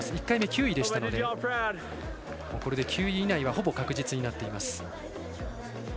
１回目は９位でしたのでこれで９位以内はほぼ確実になっています。